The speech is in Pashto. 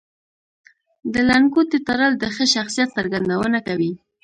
د لنګوټې تړل د ښه شخصیت څرګندونه کوي